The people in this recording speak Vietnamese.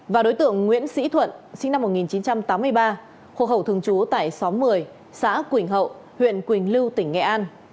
và đối tượng nguyễn sĩ thuận sinh năm một nghìn chín trăm tám mươi ba hộ khẩu thường trú tại xóm một mươi xã quỳnh hậu huyện quỳnh lưu tỉnh nghệ an